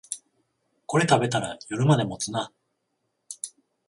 これ食べたら夜まで持つな